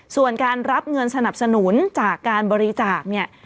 ส่วนการรับเงินสนับสนุนจากการบริจาคเนี่ย